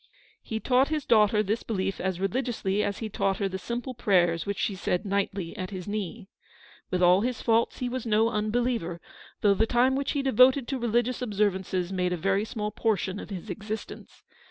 He taught his daughter this belief as religiously as he taught her the simple prayers which she said nightly at his knee. "With all his faults he was no unbeliever, though the time which he 58 Eleanor's victory. devoted to religious observances made a very small portion of his existence.